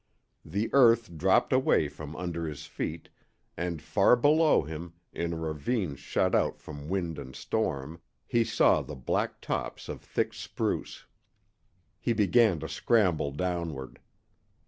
The earth dropped away from under his feet, and far below him, in a ravine shut out from wind and storm, he saw the black tops of thick spruce. He began to scramble downward.